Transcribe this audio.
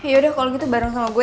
yaudah kalau gitu bareng sama gue